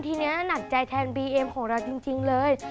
ทีนี้หนักใจแทนบีเอ็มของเราจริงเลย